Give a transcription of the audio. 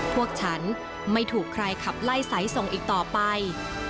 พวกฉันไม่ถูกใครขับไล่สายส่งอีกต่อไป